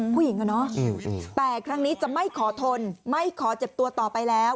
ผู้หญิงอะเนาะแต่ครั้งนี้จะไม่ขอทนไม่ขอเจ็บตัวต่อไปแล้ว